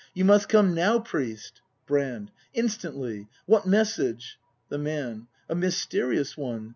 ] You must come now, priest! ) Brand. Instantly ! What message ? The Man. A mysterious one.